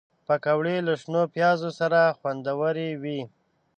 پکورې له شنو پیازو سره خوندورې وي